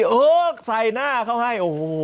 เอิร์กใส่หน้าเขาให้โอ้โห